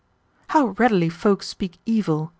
"How readily folk speak evil!"